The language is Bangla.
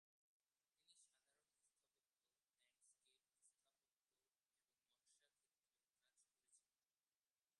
তিনি সাধারণ স্থাপত্য, ল্যান্ডস্কেপ স্থাপত্য এবং নকশা ক্ষেত্রে কাজ করেছিলেন।